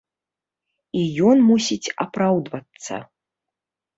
І ён мусіць апраўдвацца.